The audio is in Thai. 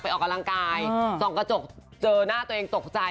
ออกกำลังกายส่องกระจกเจอหน้าตัวเองตกใจ